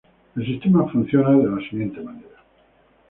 El sistema funciona de la siguiente manera.